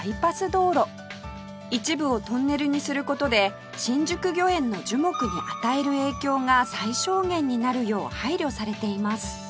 一部をトンネルにする事で新宿御苑の樹木に与える影響が最小限になるよう配慮されています